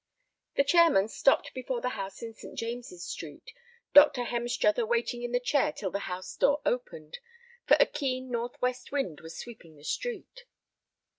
The chairmen stopped before the house in St. James's Street, Dr. Hemstruther waiting in the chair till the house door opened, for a keen northwest wind was sweeping the street.